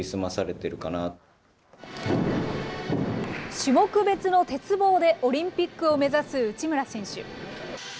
種目別の鉄棒でオリンピックを目指す内村選手。